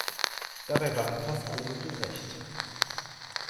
Dabei waren fast alle Mittel recht.